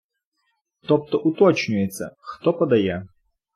Тобто уточнюється, хто подає.